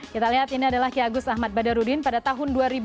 kita lihat ini adalah ki agus ahmad badarudin pada tahun dua ribu